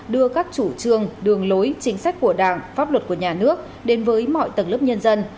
đưa các chủ trương đường lối chính sách của đảng pháp luật của nhà nước đến với mọi tầng lớp nhân dân